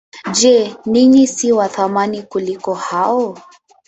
Je, ninyi si wa thamani kuliko hao?